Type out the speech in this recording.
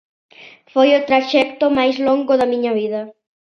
Foi o traxecto máis longo da miña vida.